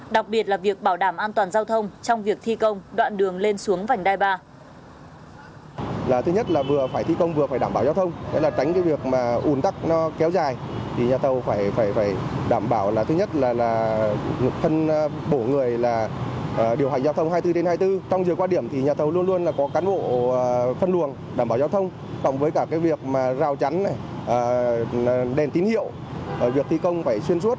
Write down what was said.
đặc biệt là việc bảo đảm an toàn giao thông trong việc thi công đoạn đường lên xuống vành đai ba